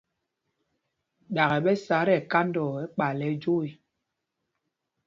Ɗakɛ ɓɛ sá tí ɛkandɔɔ ɛkpay lɛ ɛjwoo ê.